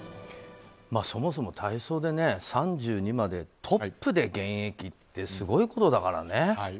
そもそも体操で３２までトップで現役ってすごいことだからね。